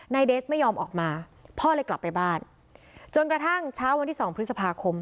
เดสไม่ยอมออกมาพ่อเลยกลับไปบ้านจนกระทั่งเช้าวันที่สองพฤษภาคม